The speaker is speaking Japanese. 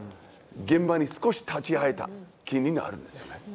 現場に少し立ち会えた気になるんですよね。